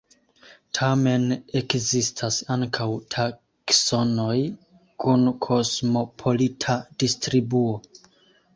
Tamen ekzistas ankaŭ taksonoj kun kosmopolita distribuo.